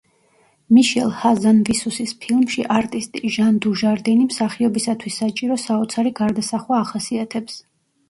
მიშელ ჰაზანვისუსის ფილმში „არტისტი,“ ჟან დუჟარდინი მსახიობისათვის საჭირო საოცარი გარდასახვა ახასიათებს.